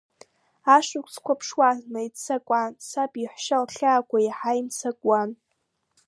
Ашықәсқәа ԥшуазма иццакуан, саб иаҳәшьа лхьаақәа иаҳа имцакуан.